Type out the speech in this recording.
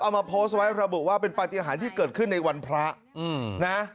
มาโพสต์ไว้ระบุว่าเป็นปฏิหารที่เกิดขึ้นในวันพระนะ